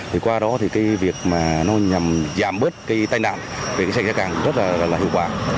thì qua đó thì cái việc mà nó nhằm giảm bớt cái tai nạn về cái xe giá càng rất là hiệu quả